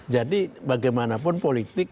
jadi bagaimanapun politik